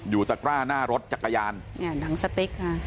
อยู่จากร่าหน้ารถจักรยานเนี่ยหนังสติกฮะ